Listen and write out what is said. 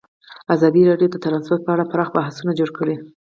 ازادي راډیو د ترانسپورټ په اړه پراخ بحثونه جوړ کړي.